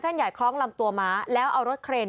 ใหญ่คล้องลำตัวม้าแล้วเอารถเครน